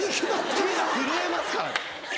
手が震えますからね